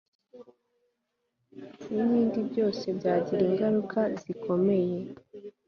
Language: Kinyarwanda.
n ibindi byose byagira ingaruka zikomeye